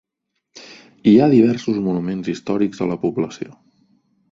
Hi ha diversos monuments històrics a la població.